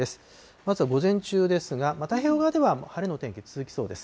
まずは午前中ですが、太平洋側では晴れの天気、続きそうです。